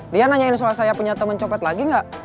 dia nanyain soal saya punya temen copet lagi gak